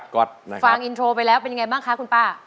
กลับไปแล้วเป็นยังไงบ้างคะคุณป้า